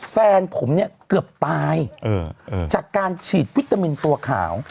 แฟนผมเนี่ยเกือบตายจากการฉีดวิตามินตัวขาว